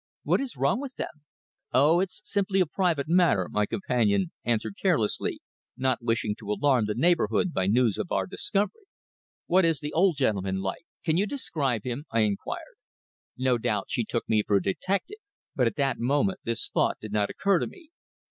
What is wrong with them?" "Oh, it's simply a private matter," my companion answered carelessly, not wishing to alarm the neighbourhood by news of our discovery. "What is the old gentleman like? Can you describe him?" I inquired. No doubt she took me for a detective, but at that moment this thought did not occur to me.